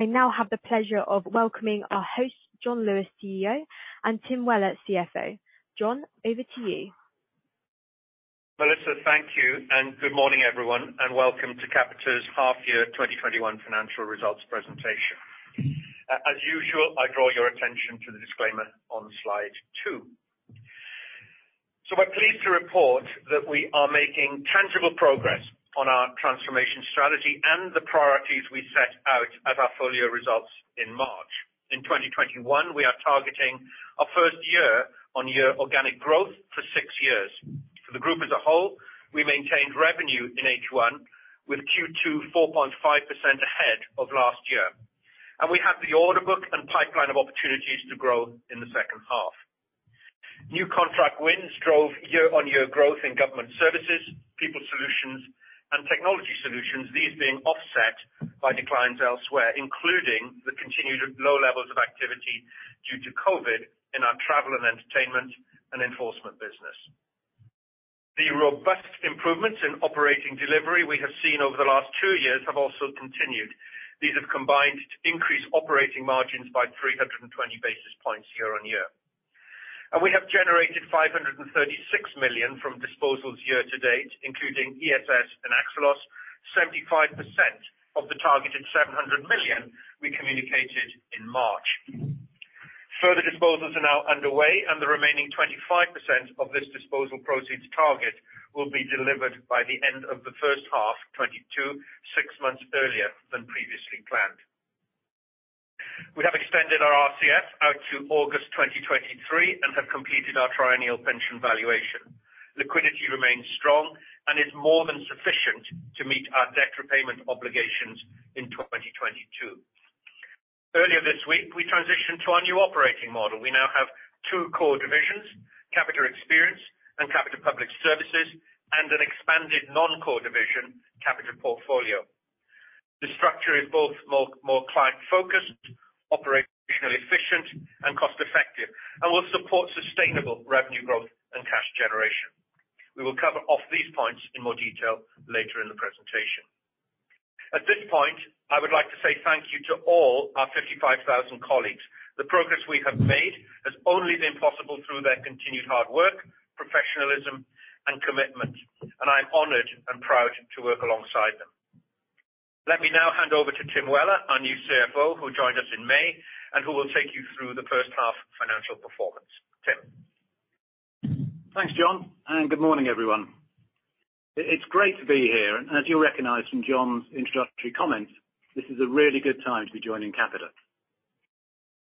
I now have the pleasure of welcoming our host, Jon Lewis, CEO, and Tim Weller, CFO. Jon, over to you. Melissa, thank you. Good morning, everyone, welcome to Capita's half year 2021 financial results presentation. As usual, I draw your attention to the disclaimer on slide two. We're pleased to report that we are making tangible progress on our transformation strategy and the priorities we set out at our full-year results in March. In 2021, we are targeting our 1st year-over-year organic growth for six years. For the group as a whole, we maintained revenue in H1 with Q2 4.5% ahead of last year. We have the order book and pipeline of opportunities to grow in the second half. New contract wins drove year-over-year growth in government services, people solutions and technology solutions, these being offset by declines elsewhere, including the continued low levels of activity due to COVID in our travel and entertainment and enforcement business. The robust improvements in operating delivery we have seen over the last two years have also continued. These have combined to increase operating margins by 320 basis points year-on-year. We have generated 536 million from disposals year to date, including ESS and AXELOS, 75% of the targeted 700 million we communicated in March. Further disposals are now underway, the remaining 25% of this disposal proceeds target will be delivered by the end of H1 2022, six months earlier than previously planned. We have extended our RCF out to August 2023 and have completed our triennial pension valuation. Liquidity remains strong and is more than sufficient to meet our debt repayment obligations in 2022. Earlier this week, we transitioned to our new operating model. We now have two core divisions, Capita Experience and Capita Public Service, and an expanded non-core division, Capita Portfolio. The structure is both more client-focused, operationally efficient and cost-effective, and will support sustainable revenue growth and cash generation. We will cover off these points in more detail later in the presentation. At this point, I would like to say thank you to all our 55,000 colleagues. The progress we have made has only been possible through their continued hard work, professionalism, and commitment, and I am honored and proud to work alongside them. Let me now hand over to Tim Weller, our new CFO, who joined us in May, and who will take you through the first half financial performance. Tim. Thanks, Jon, and good morning, everyone. It's great to be here. As you'll recognize from Jon's introductory comments, this is a really good time to be joining Capita.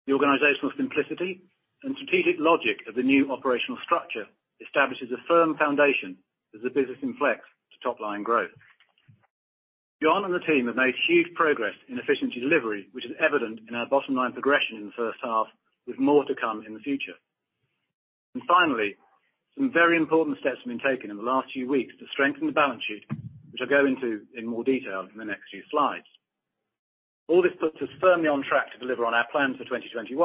The organizational simplicity and strategic logic of the new operational structure establishes a firm foundation as the business inflects to top-line growth. Jon and the team have made huge progress in efficiency delivery, which is evident in our bottom line progression in the first half, with more to come in the future. Finally, some very important steps have been taken in the last few weeks to strengthen the balance sheet, which I'll go into in more detail in the next few slides. All this puts us firmly on track to deliver on our plans for 2021,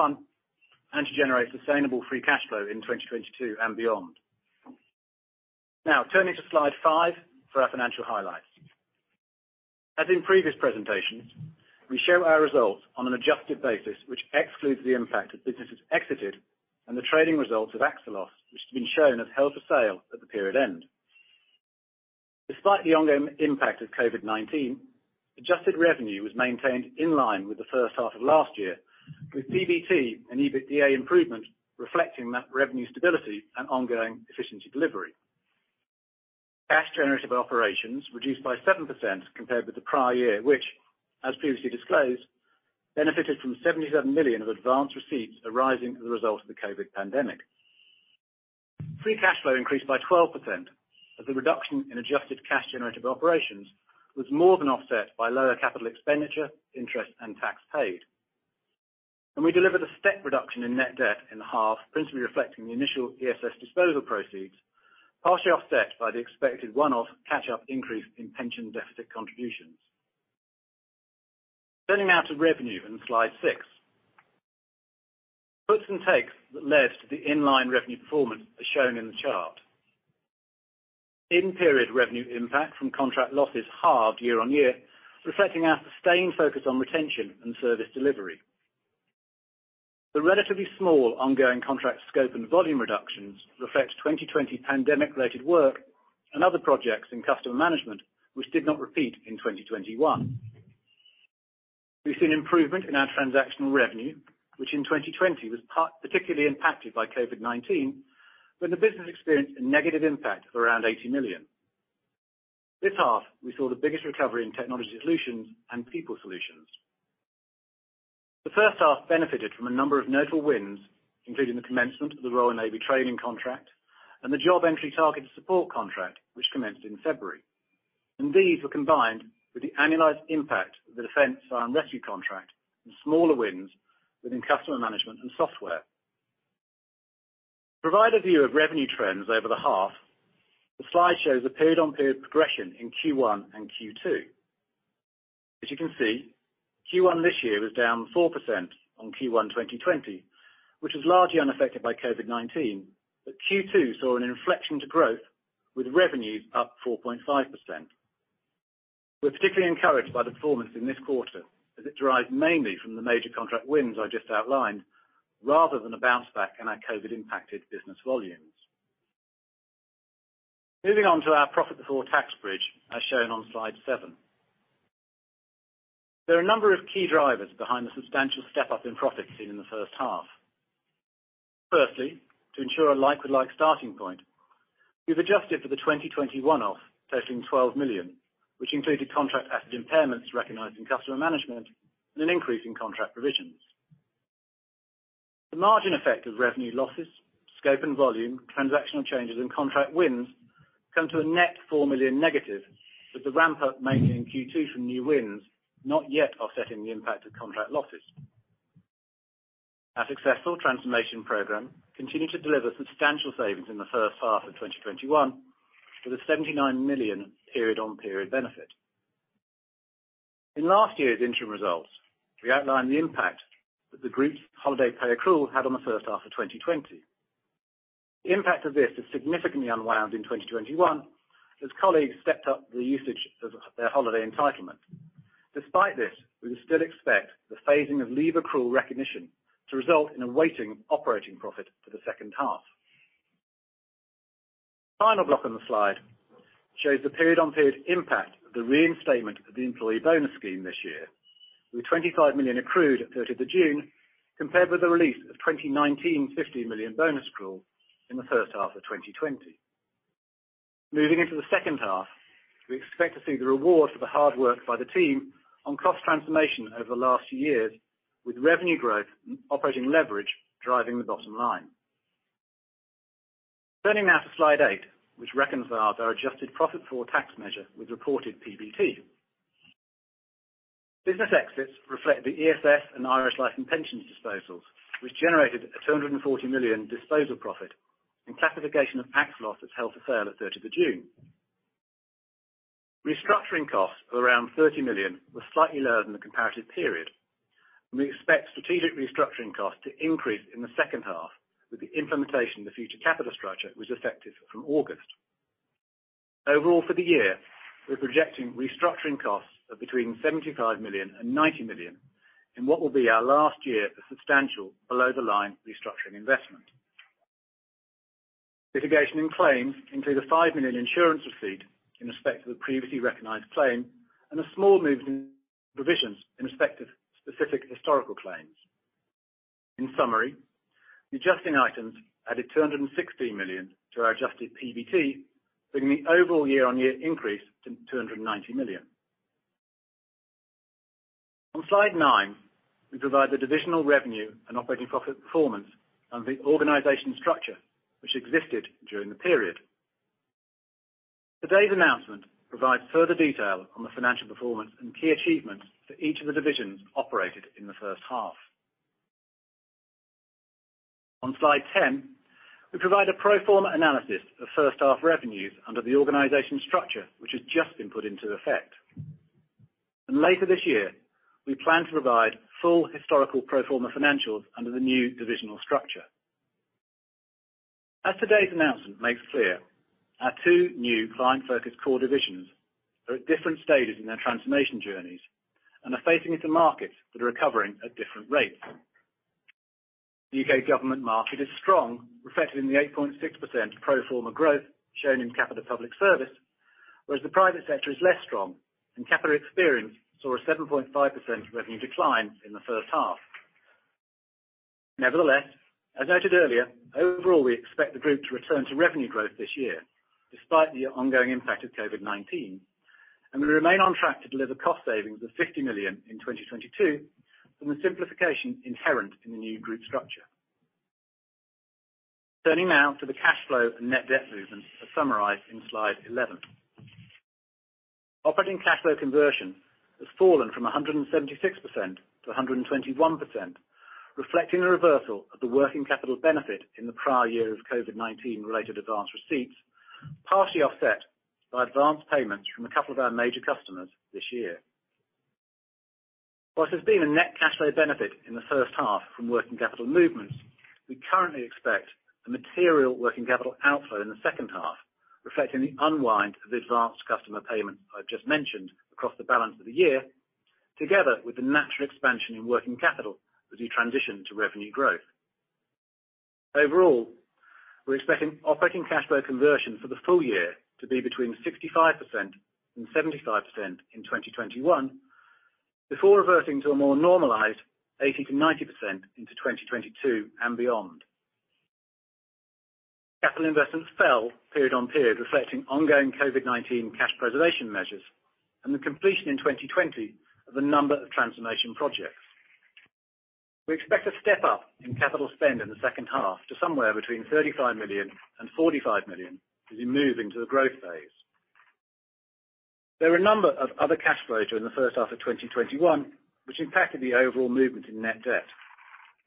and to generate sustainable free cash flow in 2022 and beyond. Now turning to slide five for our financial highlights. As in previous presentations, we show our results on an adjusted basis, which excludes the impact of businesses exited and the trading results of AXELOS, which have been shown as held for sale at the period end. Despite the ongoing impact of COVID-19, adjusted revenue was maintained in line with the first half of last year, with PBT and EBITDA improvement reflecting that revenue stability and ongoing efficiency delivery. Cash generative operations reduced by 7% compared with the prior year, which, as previously disclosed, benefited from 77 million of advanced receipts arising as a result of the COVID pandemic. Free cash flow increased by 12% as the reduction in adjusted cash generative operations was more than offset by lower capital expenditure, interest, and tax paid. We delivered a step reduction in net debt in the half, principally reflecting the initial ESS disposal proceeds, partially offset by the expected one-off catch-up increase in pension deficit contributions. Turning now to revenue in slide six. Puts and takes that led to the in-line revenue performance are shown in the chart. In-period revenue impact from contract losses halved year-on-year, reflecting our sustained focus on retention and service delivery. The relatively small ongoing contract scope and volume reductions reflect 2020 pandemic related work and other projects in customer management, which did not repeat in 2021. We've seen improvement in our transactional revenue, which in 2020 was particularly impacted by COVID-19 when the business experienced a negative impact of around 80 million. This half, we saw the biggest recovery in technology solutions and people solutions. The first half benefited from a number of notable wins, including the commencement of the Royal Navy training contract and the Job Entry: Targeted Support contract, which commenced in February. These were combined with the annualized impact of the Defence Fire and Rescue contract and smaller wins within customer management and software. Provide a view of revenue trends over the half. The slide shows a period on period progression in Q1 and Q2. As you can see, Q1 this year was down 4% on Q1 2020, which was largely unaffected by COVID-19. Q2 saw an inflection to growth, with revenues up 4.5%. We're particularly encouraged by the performance in this quarter, as it derives mainly from the major contract wins I just outlined, rather than a bounce back in our COVID-impacted business volumes. Moving on to our profit before tax bridge, as shown on slide seven. There are a number of key drivers behind the substantial step-up in profits seen in the first half. To ensure a like-for-like starting point, we've adjusted for the 2020 one-off totaling 12 million, which included contract asset impairments recognized in customer management and an increase in contract provisions. The margin effect of revenue losses, scope and volume, transactional changes, and contract wins come to a net 4 million negative, with the ramp up made in Q2 from new wins not yet offsetting the impact of contract losses. Our successful transformation program continued to deliver substantial savings in the first half of 2021, with a 79 million period-on-period benefit. In last year's interim results, we outlined the impact that the group's holiday pay accrual had on the first half of 2020. The impact of this has significantly unwound in 2021, as colleagues stepped up the usage of their holiday entitlement. Despite this, we still expect the phasing of leave accrual recognition to result in a weighted operating profit for the second half. The final block on the slide shows the period-on-period impact of the reinstatement of the employee bonus scheme this year, with 25 million accrued at 30th June, compared with the release of 2019 15 million bonus accrual in the first half of 2020. Moving into the second half, we expect to see the rewards of the hard work by the team on cost transformation over the last years, with revenue growth and operating leverage driving the bottom line. Turning now to slide eight, which reconciles our adjusted profit for tax measure with reported PBT. Business exits reflect the ESS and Irish life and pensions disposals, which generated a 240 million disposal profit and classification of tax loss that's held for sale at 30th June. Restructuring costs of around 30 million were slightly lower than the comparative period. We expect strategic restructuring costs to increase in the second half with the implementation of the future capital structure, which is effective from August. Overall, for the year, we're projecting restructuring costs of between 75 million and 90 million, in what will be our last year of substantial below the line restructuring investment. Litigation and claims include a 5 million insurance receipt in respect of the previously recognized claim and a small movement in provisions in respect of specific historical claims. In summary, the adjusting items added 216 million to our adjusted PBT, bringing the overall year-on-year increase to 290 million. On slide nine, we provide the divisional revenue and operating profit performance under the organization structure which existed during the period. Today's announcement provides further detail on the financial performance and key achievements for each of the divisions operated in the first half. On slide 10, we provide a pro forma analysis of first half revenues under the organization structure, which has just been put into effect. Later this year, we plan to provide full historical pro forma financials under the new divisional structure. As today's announcement makes clear, our two new client-focused core divisions are at different stages in their transformation journeys and are facing into markets that are recovering at different rates. The U.K. government market is strong, reflected in the 8.6% pro forma growth shown in Capita Public Service, whereas the private sector is less strong, and Capita Experience saw a 7.5% revenue decline in the first half. Nevertheless, as noted earlier, overall, we expect the group to return to revenue growth this year despite the ongoing impact of COVID-19. We remain on track to deliver cost savings of 50 million in 2022 from the simplification inherent in the new group structure. Turning now to the cash flow and net debt movements as summarized in slide 11. Operating cash flow conversion has fallen from 176% to 121%, reflecting the reversal of the working capital benefit in the prior year of COVID-19 related advanced receipts, partially offset by advanced payments from a couple of our major customers this year. Whilst there's been a net cash flow benefit in the first half from working capital movements, we currently expect a material working capital outflow in the second half, reflecting the unwind of the advanced customer payment I've just mentioned across the balance of the year, together with the natural expansion in working capital as we transition to revenue growth. Overall, we're expecting operating cash flow conversion for the full year to be between 65% and 75% in 2021, before reverting to a more normalized 80%-90% into 2022 and beyond. Capital investments fell period on period, reflecting ongoing COVID-19 cash preservation measures and the completion in 2020 of a number of transformation projects. We expect a step up in capital spend in the second half to somewhere between 35 million and 45 million as we move into the growth phase. There are a number of other cash flows during the first half of 2021, which impacted the overall movement in net debt.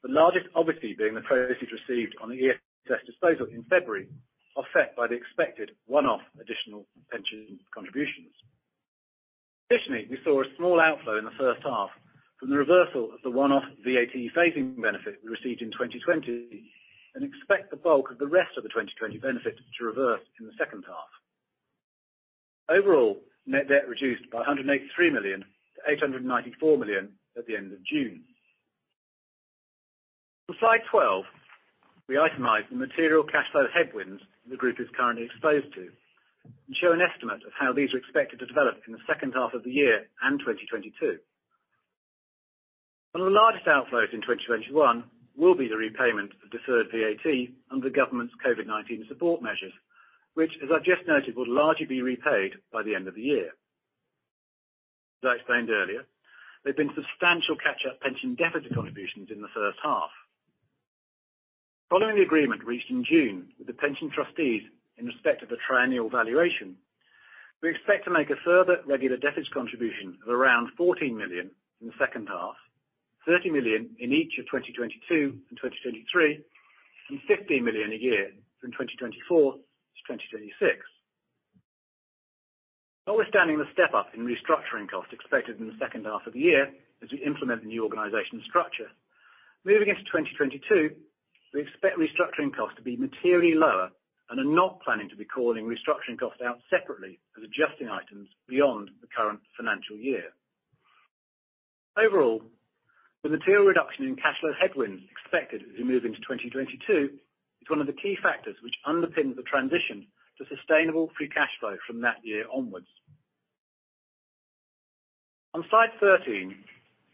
The largest obviously being the proceeds received on the ESS disposal in February, offset by the expected one-off additional pension contributions. Additionally, we saw a small outflow in the first half from the reversal of the one-off VAT phasing benefit we received in 2020 and expect the bulk of the rest of the 2020 benefit to reverse in the second half. Overall, net debt reduced by 183 million to 894 million at the end of June. On slide 12, we itemize the material cash flow headwinds the group is currently exposed to and show an estimate of how these are expected to develop in the second half of the year and 2022. One of the largest outflows in 2021 will be the repayment of deferred VAT under the government's COVID-19 support measures, which as I've just noted, will largely be repaid by the end of the year. As I explained earlier, there've been substantial catch-up pension deficit contributions in the first half. Following the agreement reached in June with the pension trustees in respect of the triennial pension valuation, we expect to make a further regular deficit contribution of around 14 million in the second half, 30 million in each of 2022 and 2023, and 15 million a year from 2024 to 2026. Notwithstanding the step-up in restructuring costs expected in the second half of the year as we implement the new organizational structure, moving into 2022, we expect restructuring costs to be materially lower and are not planning to be calling restructuring costs out separately as adjusting items beyond the current financial year. Overall, the material reduction in cash flow headwinds expected as we move into 2022 is one of the key factors which underpin the transition to sustainable free cash flow from that year onwards. On slide 13,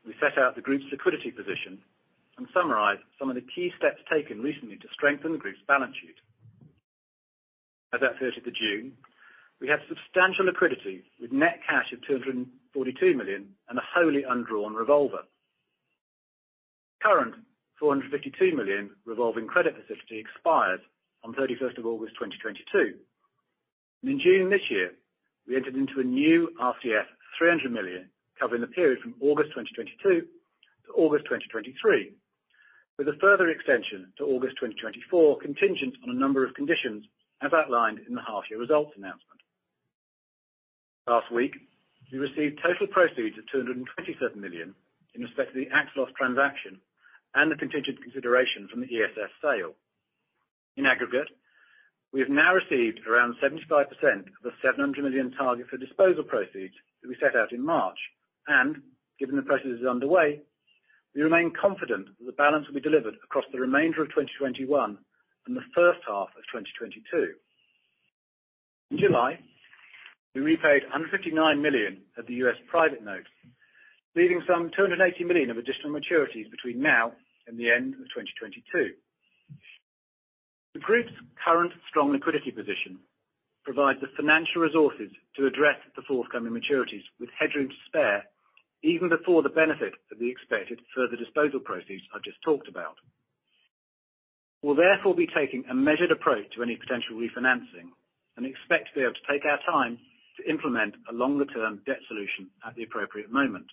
we set out the group's liquidity position and summarize some of the key steps taken recently to strengthen the group's balance sheet. As at 30th of June, we had substantial liquidity with net cash of 242 million and a wholly undrawn revolver. Current 452 million revolving credit facility expires on 31st of August 2022. In June this year, we entered into a new RCF 300 million covering the period from August 2022 to August 2023, with a further extension to August 2024 contingent on a number of conditions as outlined in the half-year results announcement. Last week, we received total proceeds of 227 million in respect of the AXELOS transaction and the contingent consideration from the ESS sale. In aggregate, we have now received around 75% of the 700 million target for disposal proceeds that we set out in March. Given the processes underway, we remain confident that the balance will be delivered across the remainder of 2021 and the first half of 2022. In July, we repaid $159 million of the US private note, leaving some 280 million of additional maturities between now and the end of 2022. The group's current strong liquidity position provides the financial resources to address the forthcoming maturities with headroom to spare even before the benefit of the expected further disposal proceeds I just talked about. We'll therefore be taking a measured approach to any potential refinancing and expect to be able to take our time to implement a longer-term debt solution at the appropriate moment.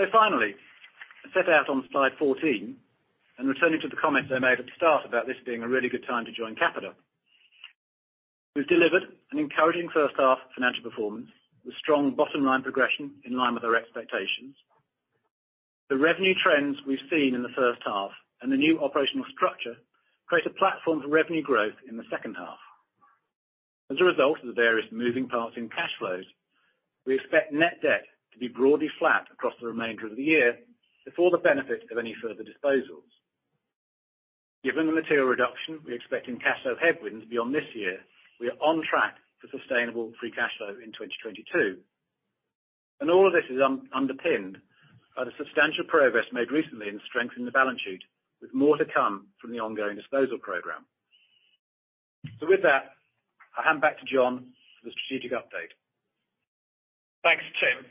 Finally, set out on slide 14 and returning to the comments I made at the start about this being a really good time to join Capita. We've delivered an encouraging first-half financial performance with strong bottom-line progression in line with our expectations. The revenue trends we've seen in the first half and the new operational structure create a platform for revenue growth in the second half. As a result of the various moving parts in cash flows, we expect net debt to be broadly flat across the remainder of the year before the benefits of any further disposals. Given the material reduction we expect in cash flow headwinds beyond this year, we are on track for sustainable free cash flow in 2022. All of this is underpinned by the substantial progress made recently in strengthening the balance sheet, with more to come from the ongoing disposal program. With that, I hand back to Jon for the strategic update. Thanks, Tim.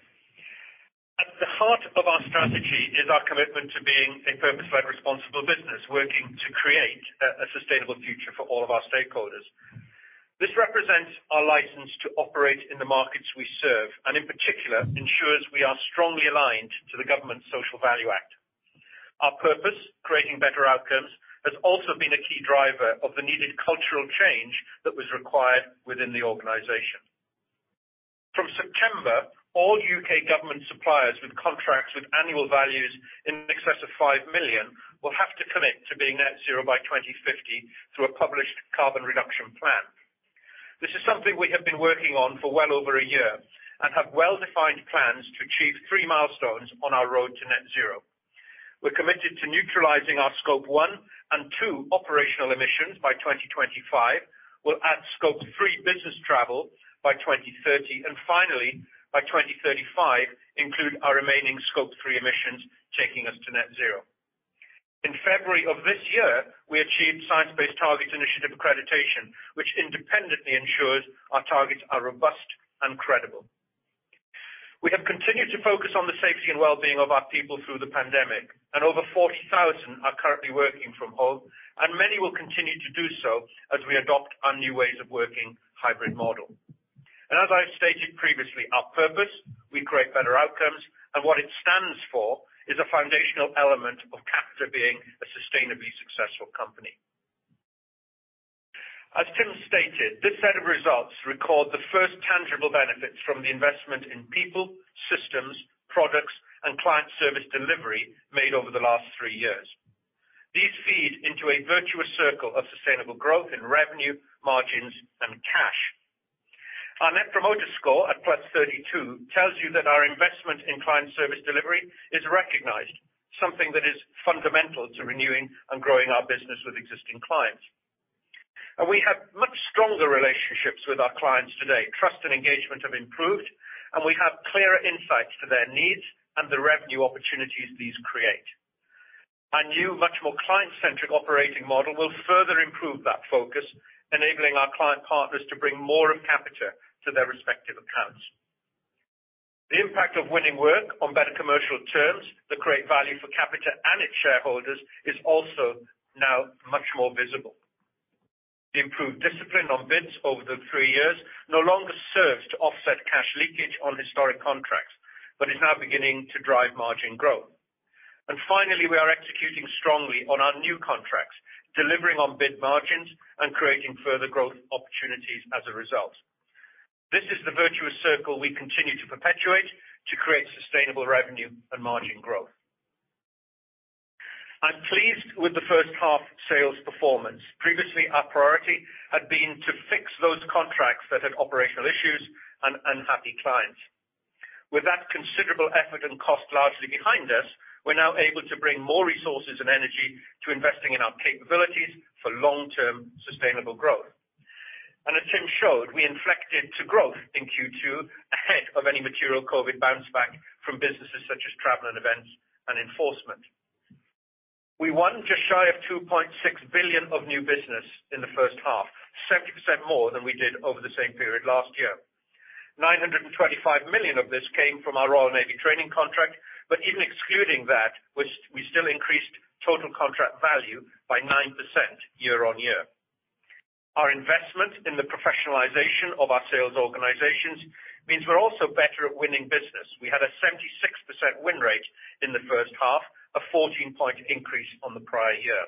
At the heart of our strategy is our commitment to being a purpose-led responsible business, working to create a sustainable future for all of our stakeholders. This represents our license to operate in the markets we serve, and in particular ensures we are strongly aligned to the government's Social Value Act. Our purpose, creating better outcomes, has also been a key driver of the needed cultural change that was required within the organization. From September, all U.K. government suppliers with contracts with annual values in excess of 5 million will have to commit to being net zero by 2050 through a published carbon reduction plan. This is something we have been working on for well over a year and have well-defined plans to achieve three milestones on our road to net zero. We're committed to neutralizing our Scope 1 and 2 operational emissions by 2025. We'll add Scope 3 business travel by 2030, and finally, by 2035, include our remaining Scope 3 emissions, taking us to net zero. In February of this year, we achieved Science Based Targets initiative accreditation, which independently ensures our targets are robust and credible. We have continued to focus on the safety and well-being of our people through the pandemic, and over 40,000 are currently working from home, and many will continue to do so as we adopt our new ways of working hybrid model. As I've stated previously, our purpose, we create better outcomes, and what it stands for is a foundational element of Capita being a sustainably successful company. As Tim stated, this set of results record the first tangible benefits from the investment in people, systems, products, and client service delivery made over the last three years. These feed into a virtuous circle of sustainable growth in revenue, margins, and cash. Our Net Promoter Score at plus 32 tells you that our investment in client service delivery is recognized, something that is fundamental to renewing and growing our business with existing clients. We have much stronger relationships with our clients today. Trust and engagement have improved, and we have clearer insights to their needs and the revenue opportunities these create. Our new much more client-centric operating model will further improve that focus, enabling our client partners to bring more of Capita to their respective accounts. The impact of winning work on better commercial terms that create value for Capita and its shareholders is also now much more visible. The improved discipline on bids over the three years no longer serves to offset cash leakage on historic contracts, but is now beginning to drive margin growth. Finally, we are executing strongly on our new contracts, delivering on bid margins and creating further growth opportunities as a result. This is the virtuous circle we continue to perpetuate to create sustainable revenue and margin growth. I'm pleased with the first half sales performance. Previously, our priority had been to fix those contracts that had operational issues and unhappy clients. With that considerable effort and cost largely behind us, we're now able to bring more resources and energy to investing in our capabilities for long-term sustainable growth. As Tim showed, we inflected to growth in Q2 ahead of any material COVID bounce back from businesses such as travel and events and enforcement. We won just shy of 2.6 billion of new business in the first half, 70% more than we did over the same period last year. 925 million of this came from our Royal Navy training contract, even excluding that, we still increased total contract value by 9% year-on-year. Our investment in the professionalization of our sales organizations means we're also better at winning business. We had a 76% win rate in the first half, a 14-point increase on the prior year.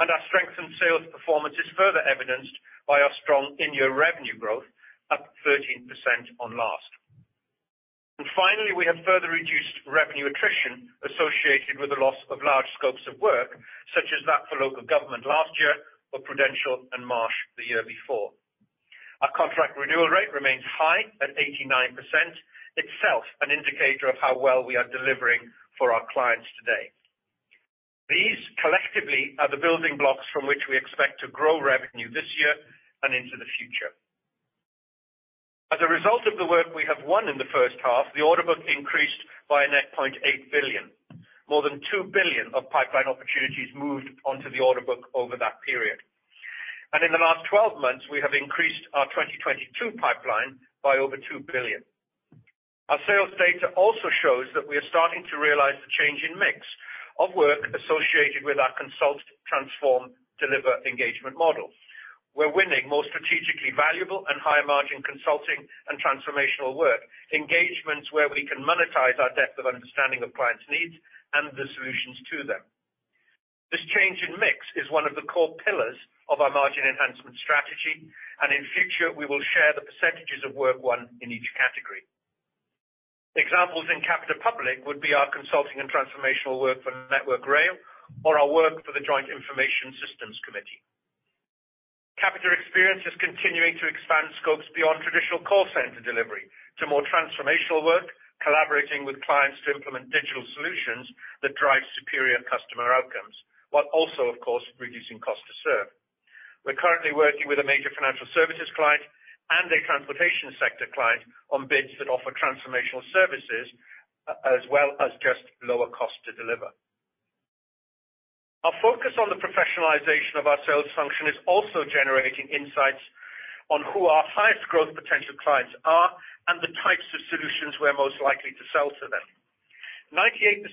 Our strength in sales performance is further evidenced by our strong in-year revenue growth, up 13% on last. Finally, we have further reduced revenue attrition associated with the loss of large scopes of work such as that for local government last year or Prudential and Marsh the year before. Our contract renewal rate remains high at 89%, itself an indicator of how well we are delivering for our clients today. These collectively are the building blocks from which we expect to grow revenue this year and into the future. As a result of the work we have won in the first half, the order book increased by a net 0.8 billion. More than 2 billion of pipeline opportunities moved onto the order book over that period. In the last 12 months, we have increased our 2022 pipeline by over 2 billion. Our sales data also shows that we are starting to realize the change in mix of work associated with our consult, transform, deliver engagement model. We're winning more strategically valuable and higher margin consulting and transformational work, engagements where we can monetize our depth of understanding of clients' needs and the solutions to them. This change in mix is one of the core pillars of our margin enhancement strategy, and in future, we will share the percentages of work won in each category. Examples in Capita Public would be our consulting and transformational work for Network Rail or our work for the Joint Information Systems Committee. Capita Experience is continuing to expand scopes beyond traditional call center delivery to more transformational work, collaborating with clients to implement digital solutions that drive superior customer outcomes, while also, of course, reducing cost to serve. We're currently working with a major financial services client and a transportation sector client on bids that offer transformational services, as well as just lower cost to deliver. Our focus on the professionalization of our sales function is also generating insights on who our highest growth potential clients are and the types of solutions we're most likely to sell to them. 98%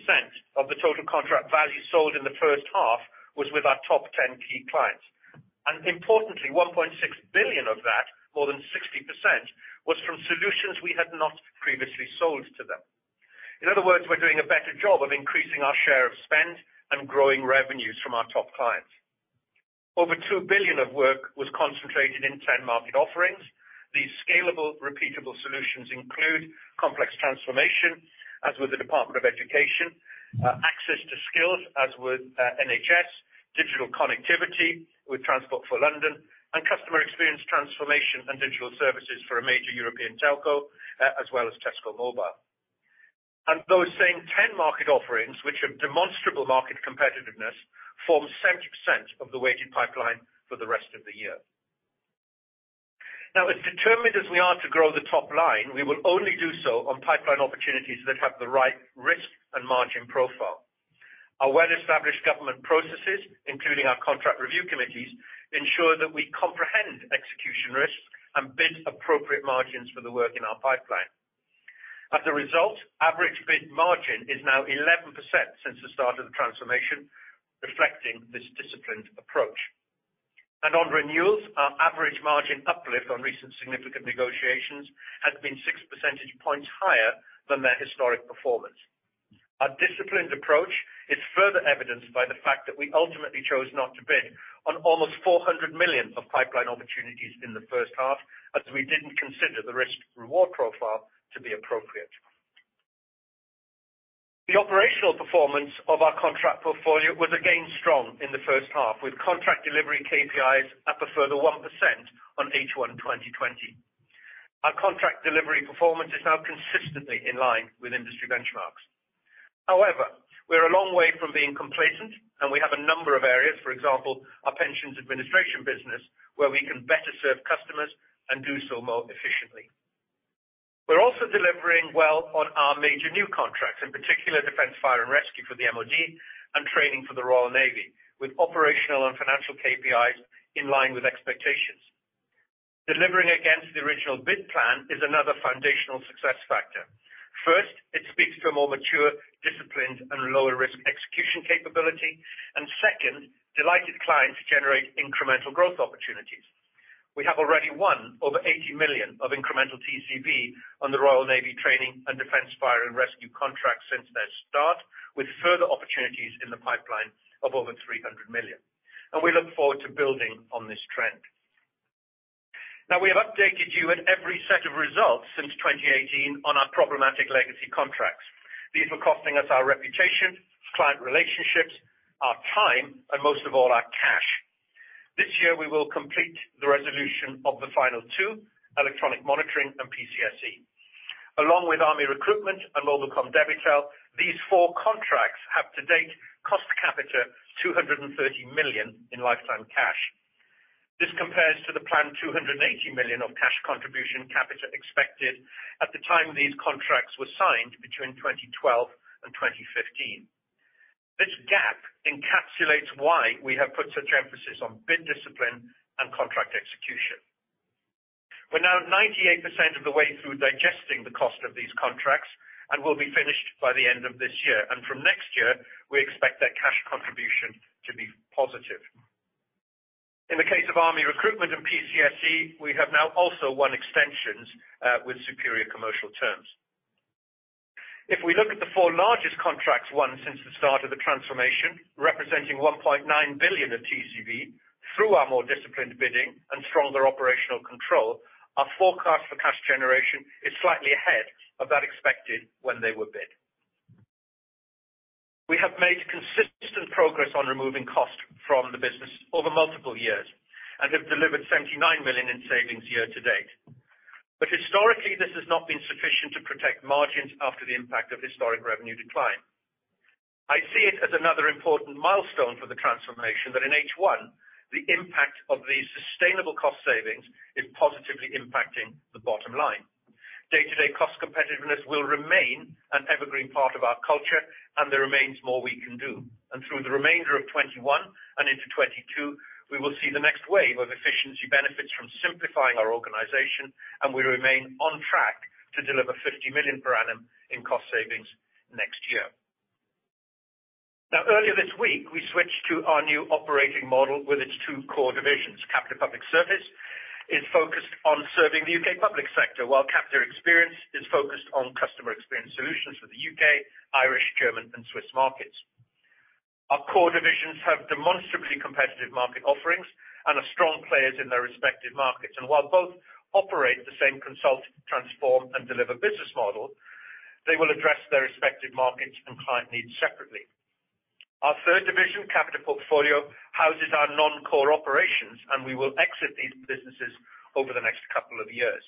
of the total contract value sold in the first half was with our top 10 key clients. Importantly, 1.6 billion of that, more than 60%, was from solutions we had not previously sold to them. In other words, we're doing a better job of increasing our share of spend and growing revenues from our top clients. Over 2 billion of work was concentrated in 10 market offerings. These scalable, repeatable solutions include complex transformation, as with the Department for Education, access to skills, as with NHS, digital connectivity with Transport for London, and customer experience transformation and digital services for a major European telco, as well as Tesco Mobile. Those same 10 market offerings, which have demonstrable market competitiveness, form 70% of the weighted pipeline for the rest of the year. As determined as we are to grow the top line, we will only do so on pipeline opportunities that have the right risk and margin profile. Our well-established government processes, including our contract review committees, ensure that we comprehend execution risks and bid appropriate margins for the work in our pipeline. Average bid margin is now 11% since the start of the transformation, reflecting this disciplined approach. On renewals, our average margin uplift on recent significant negotiations has been six percentage points higher than their historic performance. Our disciplined approach is further evidenced by the fact that we ultimately chose not to bid on almost 400 million of pipeline opportunities in the first half, as we didn't consider the risk/reward profile to be appropriate. The operational performance of our contract portfolio was again strong in the first half, with contract delivery KPIs up a further 1% on H1 2020. Our contract delivery performance is now consistently in line with industry benchmarks. However, we are a long way from being complacent, and we have a number of areas, for example, our pensions administration business, where we can better serve customers and do so more efficiently. We are also delivering well on our major new contracts, in particular Defence Fire and Rescue for the MOD and training for the Royal Navy, with operational and financial KPIs in line with expectations. Delivering against the original bid plan is another foundational success factor. First, it speaks to a more mature, disciplined, and lower-risk execution capability. Second, delighted clients generate incremental growth opportunities. We have already won over 80 million of incremental TCV on the Royal Navy training and Defence Fire and Rescue contracts since their start, with further opportunities in the pipeline of over 300 million. We look forward to building on this trend. We have updated you at every set of results since 2018 on our problematic legacy contracts. These were costing us our reputation, client relationships, our time, and most of all, our cash. This year, we will complete the resolution of the final 2, electronic monitoring and PCSE. Along with Army Recruitment and mobilcom-debitel, these four contracts have to date cost Capita 230 million in lifetime cash. This compares to the planned 280 million of cash contribution Capita expected at the time these contracts were signed between 2012 and 2015. This gap encapsulates why we have put such emphasis on bid discipline and contract execution. We are now 98% of the way through digesting the cost of these contracts and will be finished by the end of this year. From next year, we expect their cash contribution to be positive. In the case of Army Recruitment and PCSE, we have now also won extensions with superior commercial terms. If we look at the four largest contracts won since the start of the transformation, representing 1.9 billion of TCV through our more disciplined bidding and stronger operational control, our forecast for cash generation is slightly ahead of that expected when they were bid. We have made consistent progress on removing cost from the business over multiple years and have delivered 79 million in savings year to date. Historically, this has not been sufficient to protect margins after the impact of historic revenue decline. I see it as another important milestone for the transformation that in H1, the impact of these sustainable cost savings is positively impacting the bottom line. Day-to-day cost competitiveness will remain an evergreen part of our culture, there remains more we can do. Through the remainder of 2021 and into 2022, we will see the next wave of efficiency benefits from simplifying our organization, we remain on track to deliver 50 million per annum in cost savings next year. Earlier this week, we switched to our new operating model with its two core divisions. Capita Public Service is focused on serving the U.K. public sector, while Capita Experience is focused on customer experience solutions for the U.K., Irish, German, and Swiss markets. Our core divisions have demonstrably competitive market offerings and are strong players in their respective markets. While both operate the same consult, transform, and deliver business model, they will address their respective markets and client needs separately. Our third division, Capita Portfolio, houses our non-core operations, and we will exit these businesses over the next couple of years.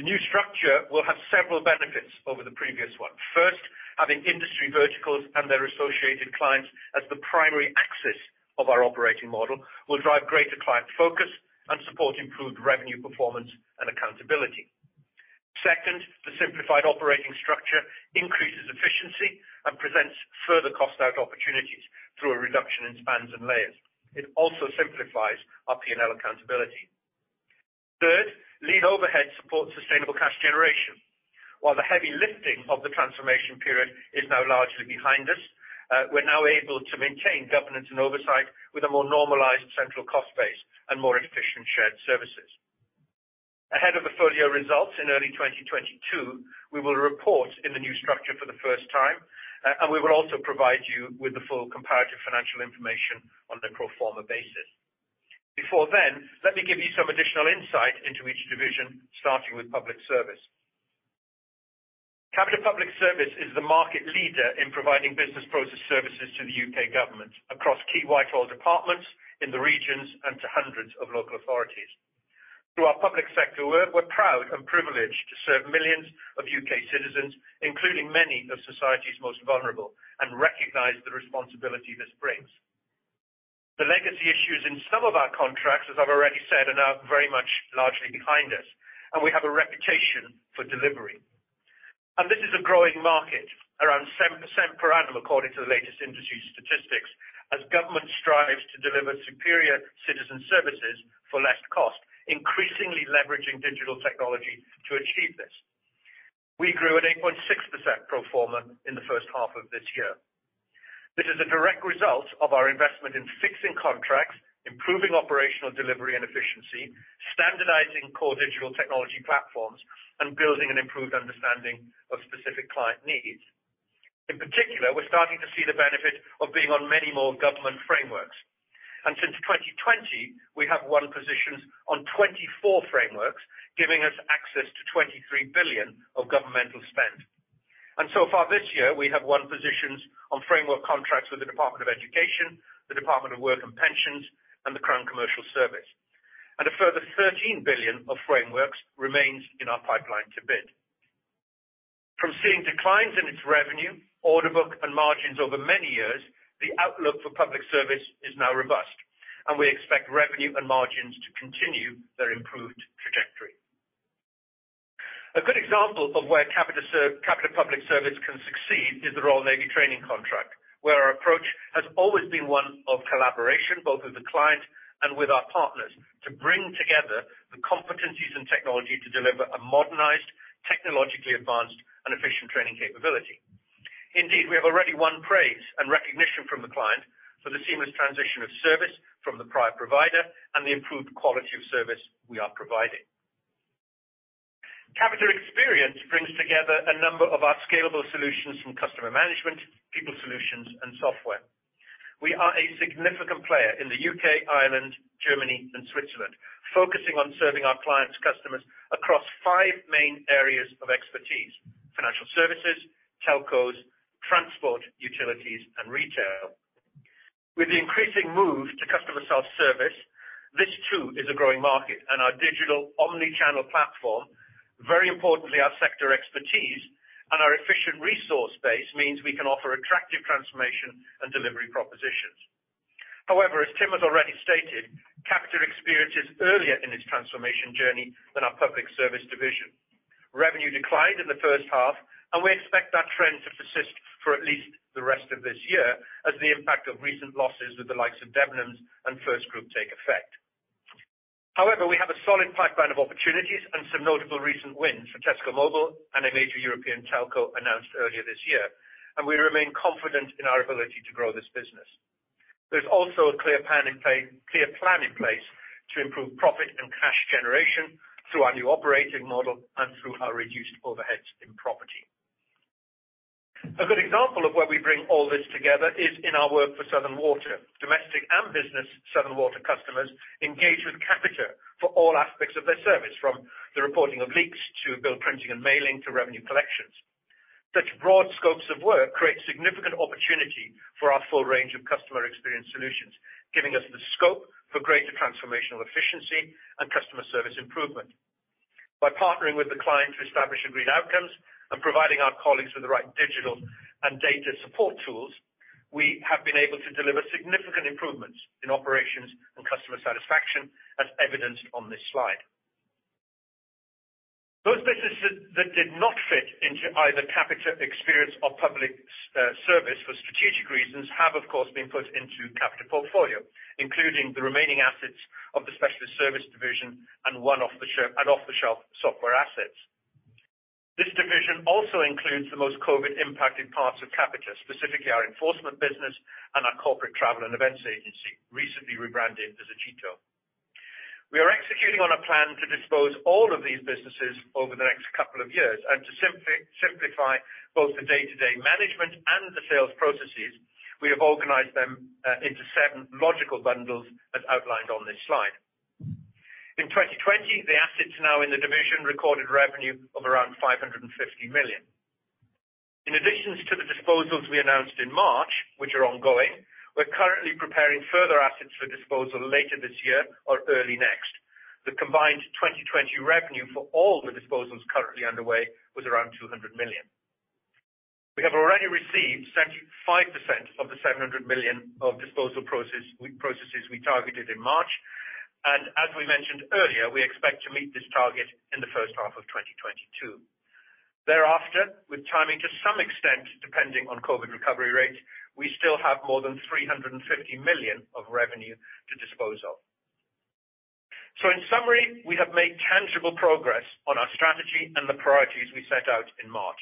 The new structure will have several benefits over the previous one. First, having industry verticals and their associated clients as the primary axis of our operating model will drive greater client focus and support improved revenue performance and accountability. Second, the simplified operating structure increases efficiency and presents further cost out opportunities through a reduction in spans and layers. It also simplifies our P&L accountability. Third, lean overhead supports sustainable cash generation. While the heavy lifting of the transformation period is now largely behind us, we're now able to maintain governance and oversight with a more normalized central cost base and more efficient shared services. Ahead of the full-year results in early 2022, we will report in the new structure for the first time, and we will also provide you with the full comparative financial information on the pro forma basis. Before then, let me give you some additional insight into each division, starting with Public Service. Capita Public Service is the market leader in providing business process services to the U.K. government across key Whitehall departments in the regions and to hundreds of local authorities. Through our public sector work, we're proud and privileged to serve millions of U.K. citizens, including many of society's most vulnerable, and recognize the responsibility this brings. The legacy issues in some of our contracts, as I've already said, are now very much largely behind us, and we have a reputation for delivery. This is a growing market, around 7% per annum according to the latest industry statistics, as government strives to deliver superior citizen services for less cost, increasingly leveraging digital technology to achieve this. We grew at 8.6% pro forma in the first half of this year. This is a direct result of our investment in fixing contracts, improving operational delivery and efficiency, standardizing core digital technology platforms, and building an improved understanding of specific client needs. In particular, we're starting to see the benefit of being on many more government frameworks. Since 2020, we have won positions on 24 frameworks, giving us access to 23 billion of governmental spend. So far this year, we have won positions on framework contracts with the Department for Education, the Department for Work and Pensions, and the Crown Commercial Service. A further 13 billion of frameworks remains in our pipeline to bid. From seeing declines in its revenue, order book, and margins over many years, the outlook for Public Service is now robust, and we expect revenue and margins to continue their improved trajectory. A good example of where Capita Public Service can succeed is the Royal Navy training contract, where our approach has always been one of collaboration, both with the client and with our partners, to bring together the competencies and technology to deliver a modernized, technologically advanced, and efficient training capability. Indeed, we have already won praise and recognition from the client for the seamless transition of service from the prior provider and the improved quality of service we are providing. Capita Experience brings together a number of our scalable solutions from customer management, people solutions, and software. We are a significant player in the U.K., Ireland, Germany, and Switzerland, focusing on serving our clients' customers across five main areas of expertise. Financial services, telcos, transport, utilities, and retail. With the increasing move to customer self-service, this too is a growing market, and our digital omni-channel platform, very importantly our sector expertise, and our efficient resource base means we can offer attractive transformation and delivery propositions. As Tim has already stated, Capita Experience is earlier in its transformation journey than our Public Service division. Revenue declined in the first half, and we expect that trend to persist for at least the rest of this year as the impact of recent losses with the likes of Debenhams and FirstGroup take effect. We have a solid pipeline of opportunities and some notable recent wins for Tesco Mobile and a major European telco announced earlier this year. We remain confident in our ability to grow this business. There's also a clear plan in place to improve profit and cash generation through our new operating model and through our reduced overheads in property. A good example of where we bring all this together is in our work for Southern Water. Domestic and business Southern Water customers engage with Capita for all aspects of their service, from the reporting of leaks to bill printing and mailing to revenue collections. Such broad scopes of work create significant opportunity for our full range of customer experience solutions, giving us the scope for greater transformational efficiency and customer service improvement. By partnering with the client to establish agreed outcomes and providing our colleagues with the right digital and data support tools, we have been able to deliver significant improvements in operations and customer satisfaction, as evidenced on this slide. Those businesses that did not fit into either Capita Experience or Public Service for strategic reasons have, of course, been put into Capita Portfolio, including the remaining assets of the specialist service division and off-the-shelf software assets. This division also includes the most COVID-impacted parts of Capita, specifically our enforcement business and our corporate travel and events agency, recently rebranded as Agiito. We are executing on a plan to dispose all of these businesses over the next couple of years, and to simplify both the day-to-day management and the sales processes, we have organized them into seven logical bundles as outlined on this slide. In 2020, the assets now in the division recorded revenue of around 550 million. In addition to the disposals we announced in March, which are on going. We're currently preparing further assets for disposal later this year or early next. The combined 2020 revenue for all the disposals currently underway was around 200 million. We have already received 75% of the 700 million of disposal proceeds we targeted in March. As we mentioned earlier, we expect to meet this target in the first half of 2022. Thereafter, with timing to some extent depending on COVID recovery rates, we still have more than 350 million of revenue to dispose of. In summary, we have made tangible progress on our strategy and the priorities we set out in March.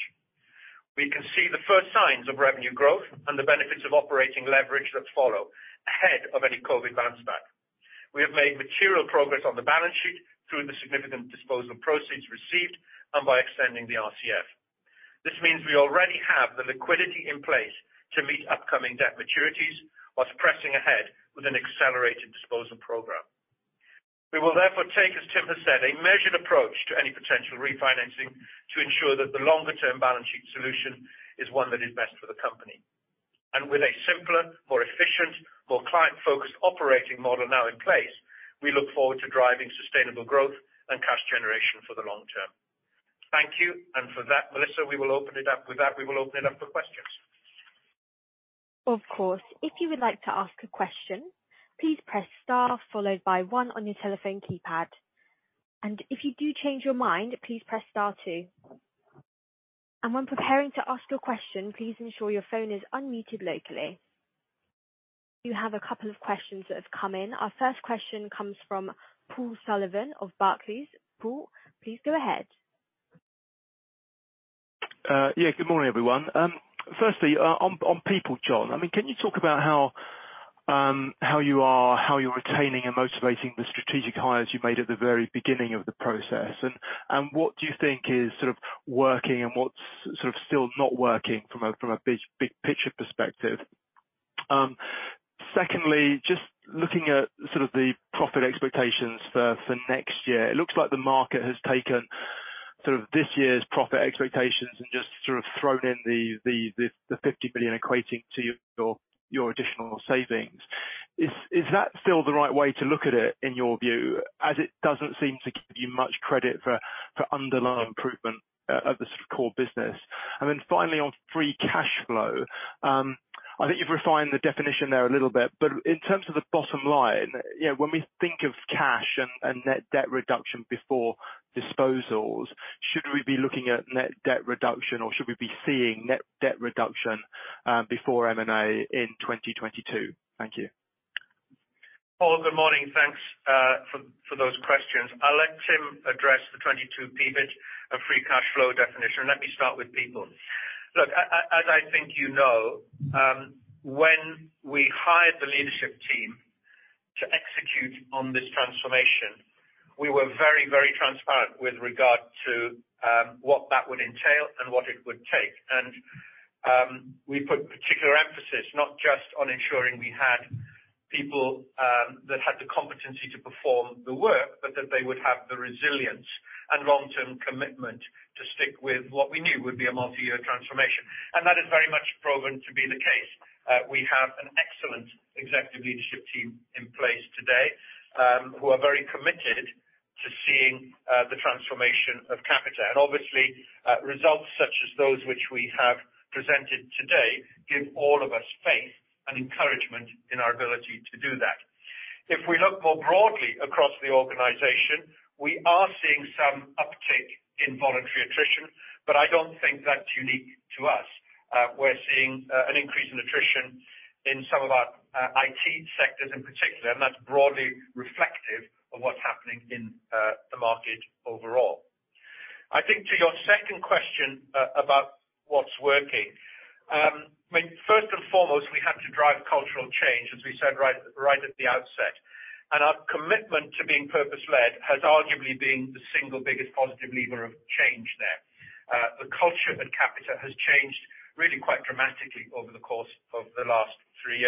We can see the first signs of revenue growth and the benefits of operating leverage that follow ahead of any COVID-19 bounce back. We have made material progress on the balance sheet through the significant disposal proceeds received and by extending the RCF. This means we already have the liquidity in place to meet upcoming debt maturities whilst pressing ahead with an accelerated disposal program. We will therefore take, as Tim Weller has said, a measured approach to any potential refinancing to ensure that the longer term balance sheet solution is one that is best for the company. With a simpler, more efficient, more client-focused operating model now in place, we look forward to driving sustainable growth and cash generation for the long term. Thank you. For that, Melissa, we will open it up. With that, we will open it up for questions. Of course. You have a couple of questions that have come in. Our first question comes from Paul Sullivan of Barclays. Paul, please go ahead. Good morning, everyone. Firstly, on people, Jon. Can you talk about how you are retaining and motivating the strategic hires you made at the very beginning of the process? What do you think is sort of working and what's sort of still not working from a big picture perspective? Secondly, just looking at sort of the profit expectations for next year. It looks like the market has taken sort of this year's profit expectations and just sort of thrown in the 50 million equating to your additional savings. Is that still the right way to look at it, in your view, as it doesn't seem to give you much credit for underlying improvement of the sort of core business? Then finally, on free cash flow. I think you've refined the definition there a little bit. In terms of the bottom line, when we think of cash and net debt reduction before disposals, should we be looking at net debt reduction or should we be seeing net debt reduction before M&A in 2022? Thank you. Paul, good morning. Thanks for those questions. I'll let Tim address the 2022 pivot of free cash flow definition. Let me start with people. Look, as I think you know, when we hired the leadership team to execute on this transformation, we were very, very transparent with regard to what that would entail and what it would take. We put particular emphasis, not just on ensuring we had people that had the competency to perform the work, but that they would have the resilience and long-term commitment to stick with what we knew would be a multi-year transformation. That has very much proven to be the case. We have an excellent executive leadership team in place today who are very committed to seeing the transformation of Capita. Obviously, results such as those which we have presented today give all of us faith and encouragement in our ability to do that. If we look more broadly across the organization, we are seeing some uptick in voluntary attrition, but I don't think that's unique to us. We're seeing an increase in attrition in some of our IT sectors in particular, and that's broadly reflective of what's happening in the market overall. I think to your second question about what's working. First and foremost, we had to drive cultural change, as we said right at the outset. Our commitment to being purpose-led has arguably been the single biggest positive lever of change there. The culture at Capita has changed really quite dramatically over the course of the last three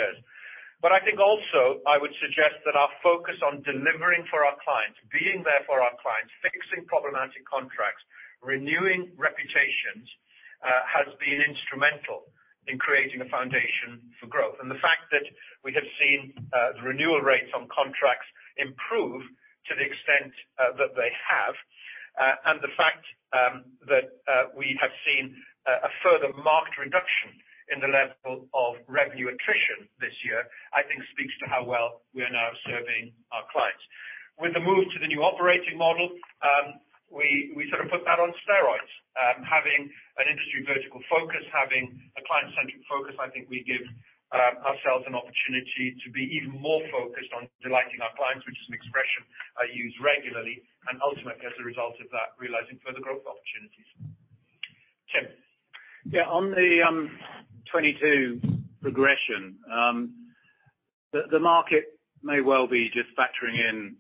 years. I think also, I would suggest that our focus on delivering for our clients, being there for our clients, fixing problematic contracts, renewing reputations has been instrumental in creating a foundation for growth. The fact that we have seen the renewal rates on contracts improve to the extent that they have, and the fact that we have seen a further marked reduction in the level of revenue attrition this year, I think speaks to how well we are now serving our clients. With the move to the new operating model, we sort of put that on steroids. Having an industry vertical focus, having a client-centric focus, I think we give ourselves an opportunity to be even more focused on delighting our clients, which is an expression I use regularly, and ultimately, as a result of that, realizing further growth opportunities. Tim. Yeah. On the 2022 progression, the market may well be just factoring in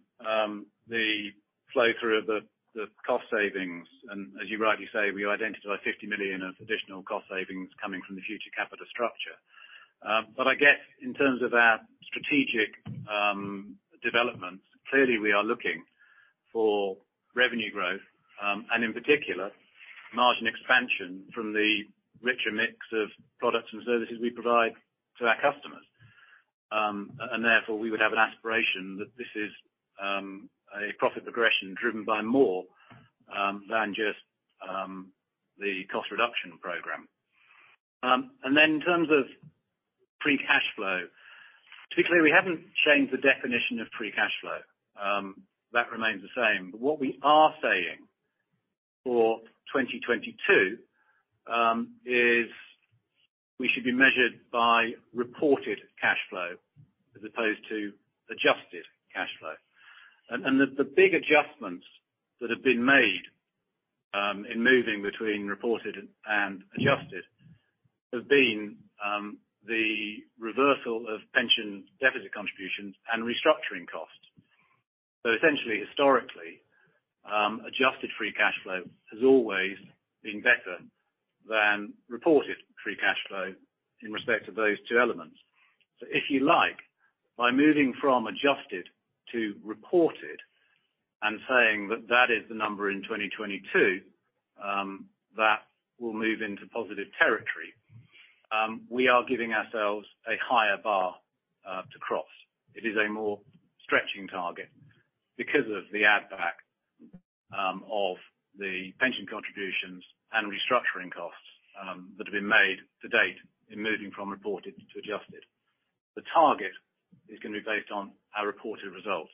the flow through of the cost savings. As you rightly say, we identified 50 million of additional cost savings coming from the Future Capita structure. I guess in terms of our strategic developments, clearly we are looking for revenue growth and in particular, margin expansion from the richer mix of products and services we provide to our customers. Therefore, we would have an aspiration that this is a profit progression driven by more than just the cost reduction program. In terms of free cash flow, particularly we haven't changed the definition of free cash flow. That remains the same. What we are saying for 2022, is we should be measured by reported cash flow as opposed to adjusted cash flow. The big adjustments that have been made in moving between reported and adjusted have been the reversal of pension deficit contributions and restructuring costs. Essentially, historically, adjusted free cash flow has always been better than reported free cash flow in respect of those two elements. If you like, by moving from adjusted to reported and saying that that is the number in 2022, that will move into positive territory. We are giving ourselves a higher bar to cross. It is a more stretching target because of the add back of the pension contributions and restructuring costs that have been made to date in moving from reported to adjusted. The target is going to be based on our reported results.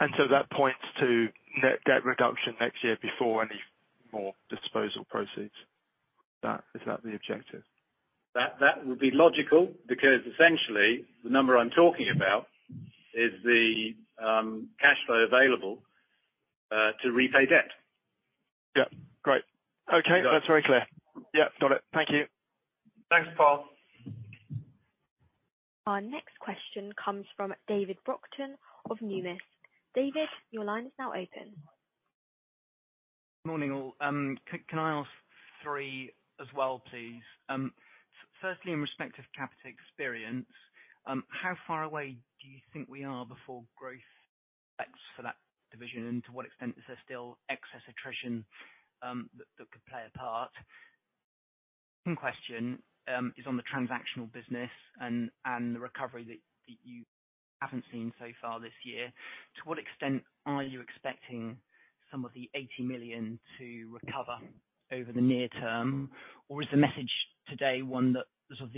That points to net debt reduction next year before any more disposal proceeds? That is that the objective. That would be logical because essentially the number I am talking about is the cash flow available to repay debt. Yeah. Great. Okay. That's very clear. Yeah, got it. Thank you. Thanks, Paul. Our next question comes from David Brockton of Numis. David, your line is now open. Morning, all. Can I ask three as well, please? Firstly, in respect of Capita Experience, how far away do you think we are before growth effects for that division and to what extent is there still excess attrition that could play a part? Second question is on the transactional business and the recovery that you haven't seen so far this year. To what extent are you expecting some of the 80 million to recover over the near term? Is the message today one that sort of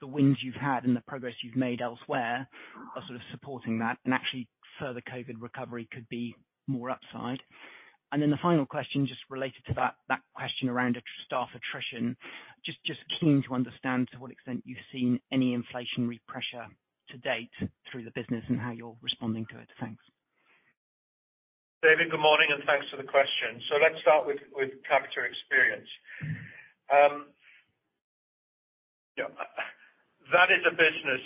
the wins you've had and the progress you've made elsewhere are sort of supporting that and actually further COVID recovery could be more upside? The final question just related to that question around staff attrition. Just keen to understand to what extent you've seen any inflationary pressure to date through the business and how you're responding to it. Thanks. David, good morning, and thanks for the question. Let's start with Capita Experience. Yeah. That is a business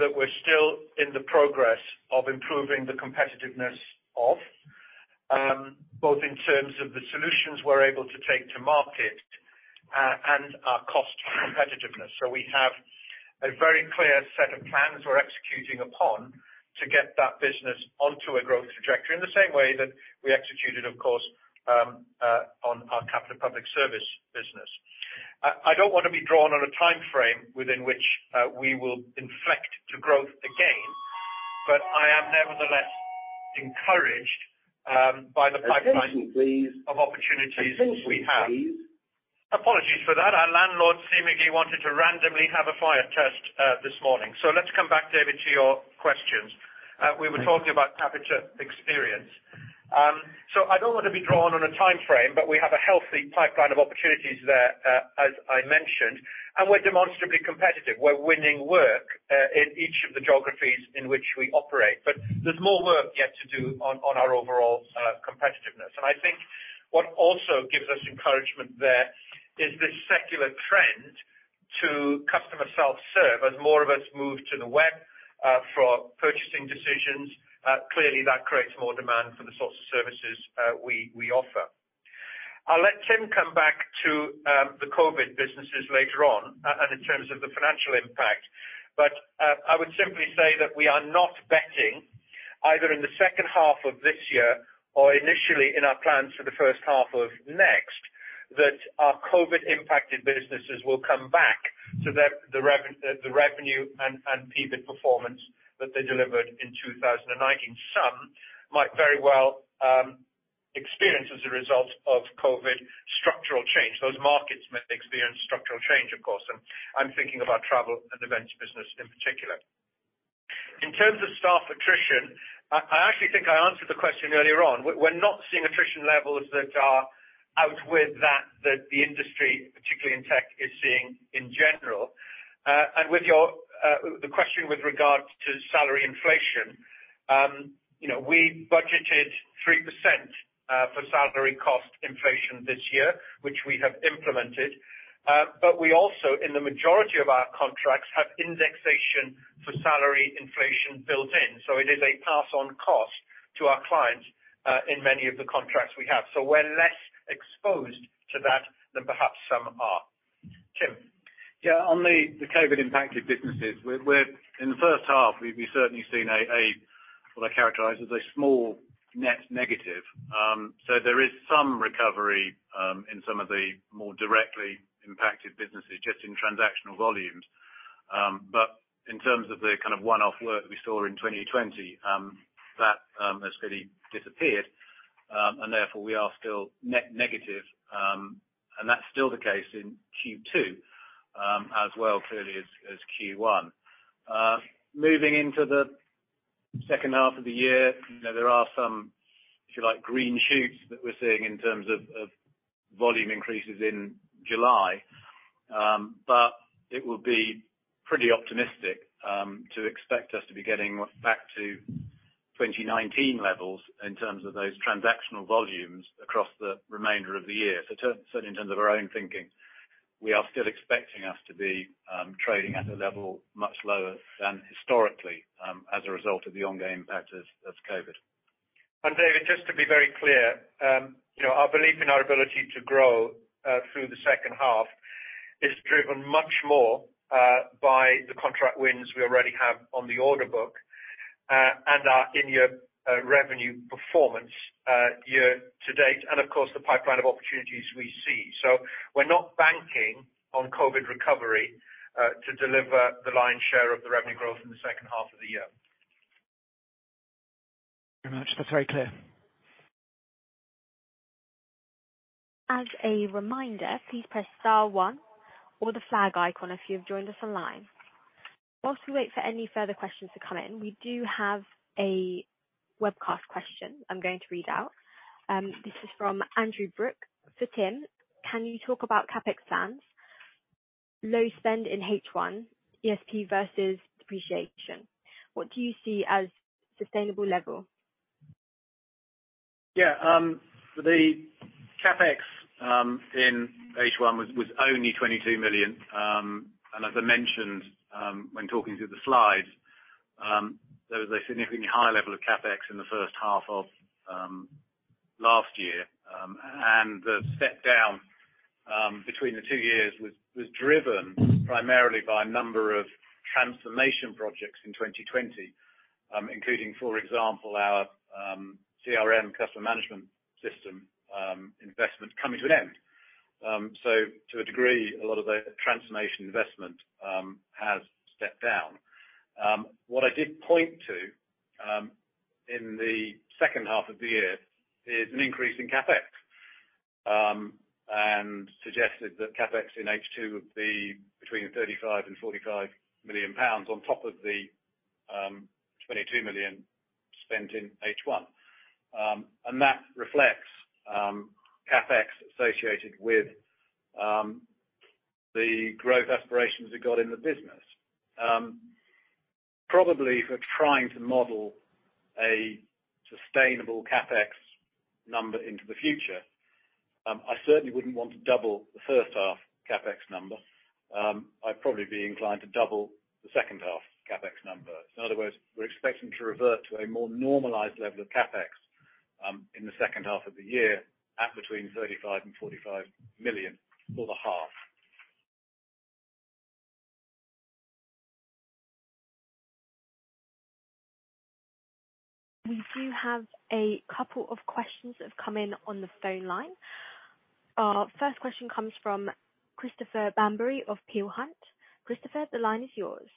that we're still in the progress of improving the competitiveness of, both in terms of the solutions we're able to take to market and our cost competitiveness. We have a very clear set of plans we're executing upon to get that business onto a growth trajectory in the same way that we executed, of course, on our Capita Public Service business. I don't want to be drawn on a timeframe within which we will inflect to growth again but I am nevertheless encouraged by the pipeline of opportunities we have. Attention, please. Apologies for that. Our landlord seemingly wanted to randomly have a fire test this morning. Let's come back, David, to your questions. We were talking about Capita Experience. I don't want to be drawn on a timeframe, but we have a healthy pipeline of opportunities there as I mentioned, and we're demonstrably competitive. We're winning work in each of the geographies in which we operate. There's more work yet to do on our overall competitiveness. I think what also gives us encouragement there is this secular trend to customer self-serve. As more of us move to the web for purchasing decisions, clearly that creates more demand for the sorts of services we offer. I'll let Tim come back to the COVID businesses later on and in terms of the financial impact. I would simply say that we are not betting either in the second half of this year or initially in our plans for the first half of next that our COVID-impacted businesses will come back to the revenue and EBIT performance that they delivered in 2019. Some might very well experience as a result of COVID structural change. Those markets might experience structural change, of course, and I'm thinking of our travel and events business in particular. In terms of staff attrition, I actually think I answered the question earlier on. We're not seeing attrition levels that are outwith that the industry, particularly in tech, is seeing in general. The question with regards to salary inflation, we budgeted 3% for salary cost inflation this year, which we have implemented. We also, in the majority of our contracts, have indexation for salary inflation built in. It is a pass-on cost to our clients in many of the contracts we have. We're less exposed to that than perhaps some are. Tim. On the COVID-impacted businesses, in the first half, we've certainly seen what I characterize as a small net negative. There is some recovery in some of the more directly impacted businesses just in transactional volumes. In terms of the kind of one-off work that we saw in 2020, that has pretty disappeared. Therefore, we are still net negative. That's still the case in Q2 as well clearly as Q1. Moving into the second half of the year, there are some, if you like, green shoots that we're seeing in terms of volume increases in July. It would be pretty optimistic to expect us to be getting back to 2019 levels in terms of those transactional volumes across the remainder of the year. Certainly in terms of our own thinking, we are still expecting us to be trading at a level much lower than historically as a result of the ongoing impact of COVID. David, just to be very clear, our belief in our ability to grow through the second half is driven much more by the contract wins we already have on the order book and our in-year revenue performance year to date and of course, the pipeline of opportunities we see. We're not banking on COVID recovery to deliver the lion's share of the revenue growth in the second half of the year. Very much. That's very clear. As a reminder, please press star one or the flag icon if you have joined us online. While we wait for any further questions to come in, we do have a webcast question I am going to read out. This is from Andrew Brook for Tim. Can you talk about CapEx plans, low spend in H1, EPS versus depreciation? What do you see as sustainable level? For the CapEx in H1 was only 22 million. As I mentioned when talking through the slides, there was a significantly higher level of CapEx in the first half of last year. The step down between the two years was driven primarily by a number of transformation projects in 2020, including, for example, our CRM customer management system investment coming to an end. To a degree, a lot of the transformation investment has stepped down. What I did point to in the second half of the year is an increase in CapEx, and suggested that CapEx in H2 would be between 35 million and 45 million pounds on top of the 22 million spent in H1. That reflects CapEx associated with the growth aspirations we got in the business. Probably for trying to model a sustainable CapEx number into the future, I certainly wouldn't want to double the first half CapEx number. I'd probably be inclined to double the second half CapEx number. In other words, we're expecting to revert to a more normalized level of CapEx in the second half of the year at between 35 million and 45 million for the half. We do have a couple of questions that have come in on the phone line. Our first question comes from Christopher Bamberry of Peel Hunt. Christopher, the line is yours.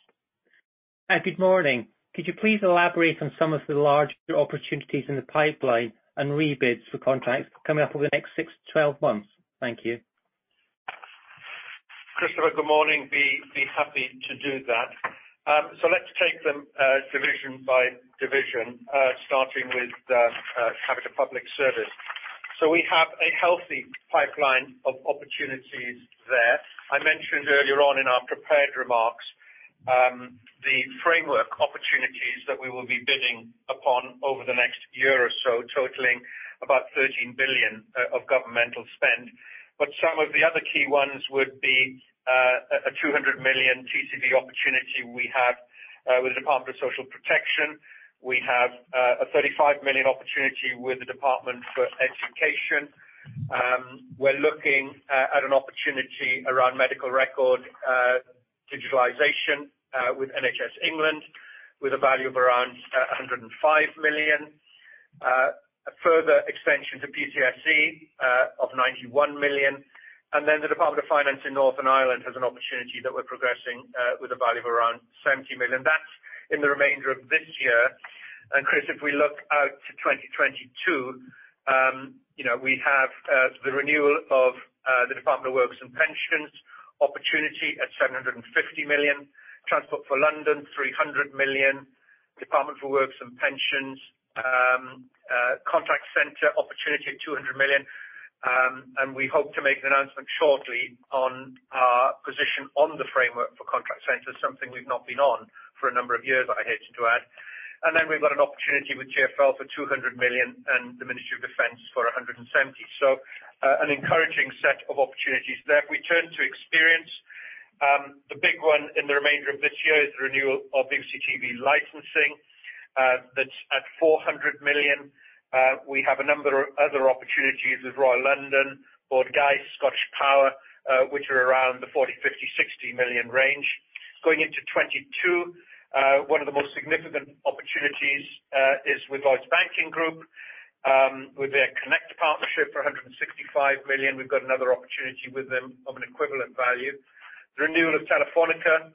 Hi, good morning. Could you please elaborate on some of the larger opportunities in the pipeline and rebids for contracts coming up over the next six to 12 months? Thank you. Christopher, good morning. Be happy to do that. Let's take them division by division, starting with Capita Public Service. I mentioned earlier on in our prepared remarks the framework opportunities that we will be bidding upon over the next year or so, totaling about 13 billion of governmental spend. Some of the other key ones would be a 200 million TCV opportunity we have with the Department of Social Protection. We have a 35 million opportunity with the Department for Education. We're looking at an opportunity around medical record digitalization with NHS England, with a value of around 105 million. A further extension to PCSE of 91 million. The Department of Finance in Northern Ireland has an opportunity that we're progressing with a value of around 70 million. That's in the remainder of this year. Chris, if we look out to 2022, we have the renewal of the Department for Work and Pensions opportunity at 750 million. Transport for London, 300 million. Department for Work and Pensions Contact Center opportunity at 200 million. We hope to make an announcement shortly on our position on the framework for contact centers, something we've not been on for a number of years, I hate to add. We've got an opportunity with TfL for 200 million and the Ministry of Defence for 170 million. An encouraging set of opportunities there. If we turn to Experience, the big one in the remainder of this year is the renewal of TV Licensing. That's at 400 million. We have a number of other opportunities with Royal London, Bord Gais, ScottishPower, which are around the 40 million, 50 million, 60 million range. Going into 2022, one of the most significant opportunities is with Lloyds Banking Group with their Connect partnership for 165 million. We've got another opportunity with them of an equivalent value. The renewal of Telefonica,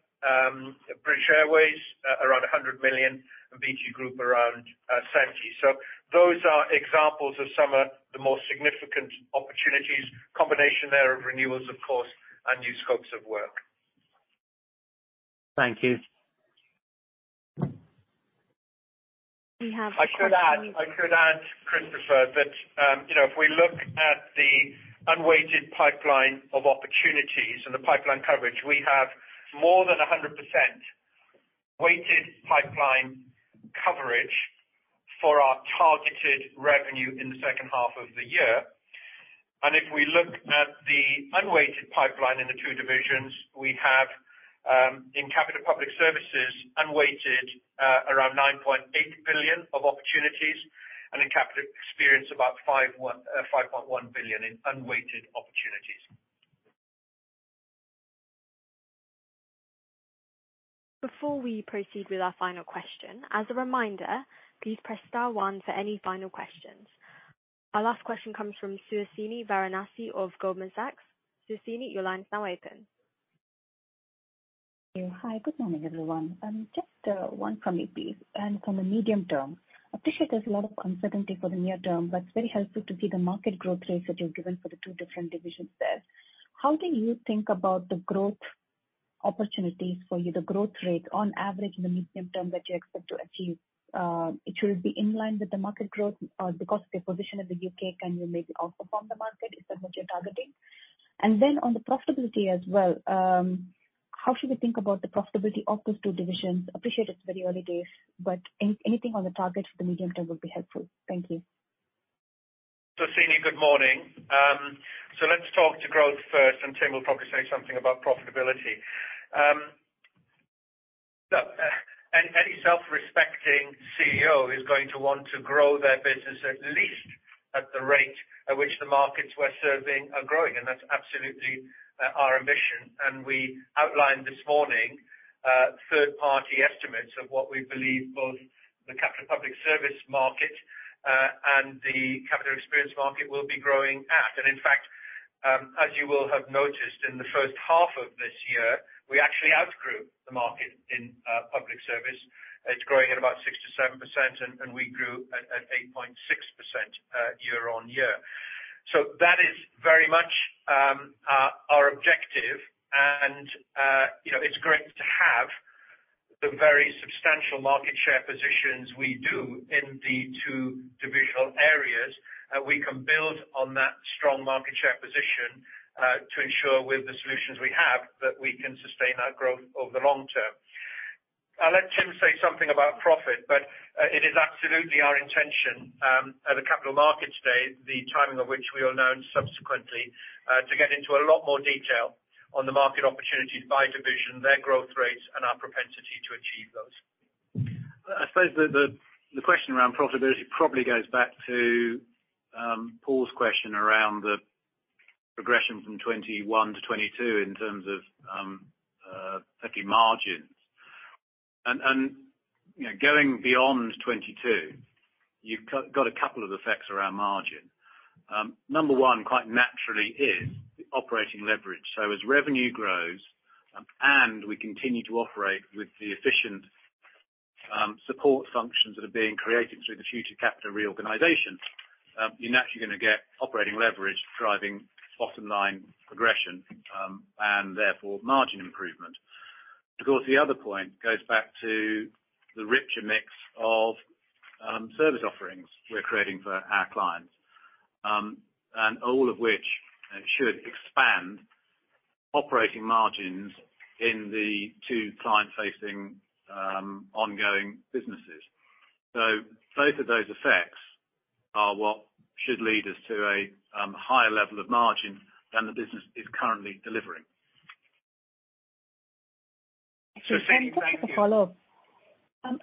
British Airways around 100 million, and BT Group around 70 million. Those are examples of some of the more significant opportunities. Combination there of renewals, of course, and new scopes of work. Thank you. I could add, Christopher, that if we look at the unweighted pipeline of opportunities and the pipeline coverage, we have more than 100% weighted pipeline coverage for our targeted revenue in the second half of the year. If we look at the unweighted pipeline in the two divisions, we have in Capita Public Service, unweighted around 9.8 billion of opportunities, and in Capita Experience, about 5.1 billion in unweighted opportunities. Before we proceed with our final question, as a reminder, please press star one for any final questions. Our last question comes from Suhasini Varanasi of Goldman Sachs. Suhasini, your line is now open. Hi. Good morning, everyone. Just one from me, please. From a medium term, I appreciate there's a lot of uncertainty for the near term, but it's very helpful to see the market growth rates that you've given for the two different divisions there. How do you think about the growth opportunities for you, the growth rate on average in the medium term that you expect to achieve, it will be in line with the market growth or because of your position in the U.K., can you maybe outperform the market? Is that what you're targeting? Then on the profitability as well, how should we think about the profitability of those two divisions? Appreciate it's very early days, but anything on the targets for the medium term would be helpful. Thank you. Sini, good morning. Let's talk to growth first, and Tim will probably say something about profitability. Look, any self-respecting CEO is going to want to grow their business, at least at the rate at which the markets we're serving are growing, and that's absolutely our ambition. We outlined this morning, third-party estimates of what we believe both the Capita Public Service market and the Capita Experience market will be growing at. In fact, as you will have noticed in the H1 of this year, we actually outgrew the market in Public Service. It's growing at about 6%-7%, and we grew at 8.6% year-on-year. That is very much our objective and it's great to have the very substantial market share positions we do in the two divisional areas. We can build on that strong market share position to ensure with the solutions we have, that we can sustain our growth over the long term. I'll let Tim say something about profit, but it is absolutely our intention at the Capital Markets Day, the timing of which we will announce subsequently, to get into a lot more detail on the market opportunities by division, their growth rates, and our propensity to achieve those. I suppose the question around profitability probably goes back to Paul's question around the progression from 2021 to 2022 in terms of particularly margins. Going beyond 2022, you've got a couple of effects around margin. Number one, quite naturally, is the operating leverage. As revenue grows and we continue to operate with the efficient support functions that are being created through the Future Capita reorganization, you're naturally going to get operating leverage driving bottom-line progression, and therefore margin improvement. Of course, the other point goes back to the richer mix of service offerings we're creating for our clients, and all of which should expand operating margins in the two client-facing ongoing businesses. Both of those effects are what should lead us to a higher level of margin than the business is currently delivering. Actually, just a follow-up.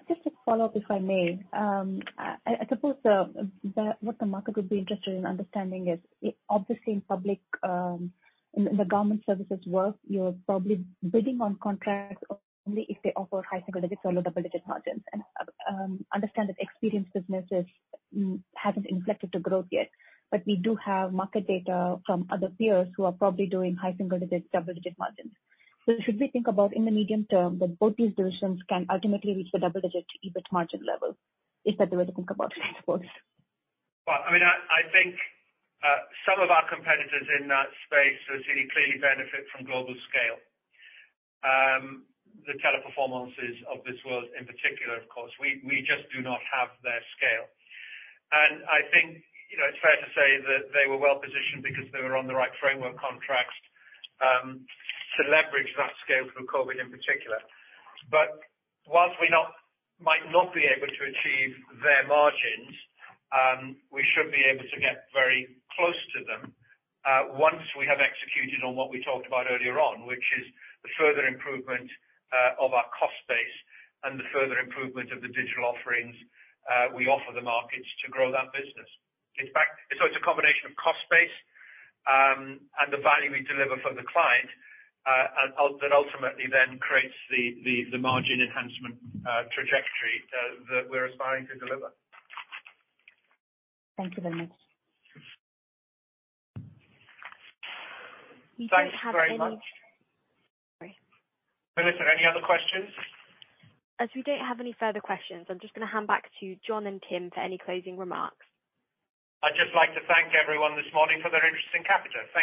Just a follow-up, if I may. I suppose what the market would be interested in understanding is obviously in the government services work, you're probably bidding on contracts only if they offer high single digits or low double-digit margins. I understand that Experience businesses haven't inflected to growth yet, but we do have market data from other peers who are probably doing high single digits, double-digit margins. Should we think about in the medium term that both these divisions can ultimately reach the double-digit EBIT margin level? Is that the way to think about it, I suppose? Well, I think some of our competitors in that space, Sini, clearly benefit from global scale. The Teleperformances of this world in particular, of course. We just do not have their scale. I think it's fair to say that they were well-positioned because they were on the right framework contracts to leverage that scale through COVID-19, in particular. Whilst we might not be able to achieve their margins, we should be able to get very close to them once we have executed on what we talked about earlier on, which is the further improvement of our cost base and the further improvement of the digital offerings we offer the markets to grow that business. In fact, it's a combination of cost base and the value we deliver for the client that ultimately then creates the margin enhancement trajectory that we're aspiring to deliver. Thank you very much. Thanks very much. Melissa, any other questions? As we don't have any further questions, I'm just going to hand back to Jon and Tim for any closing remarks. I'd just like to thank everyone this morning for their interest in Capita. Thank you.